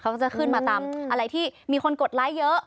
เขาก็จะขึ้นมาตามอะไรที่มีคนกดไลค์เยอะ